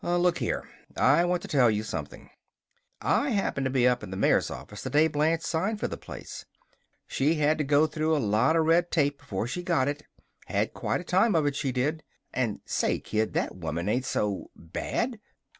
"Look here! I want to tell you something: I happened to be up in the mayor's office the day Blanche signed for the place. She had to go through a lot of red tape before she got it had quite a time of it, she did! And say, kid, that woman ain't so bad."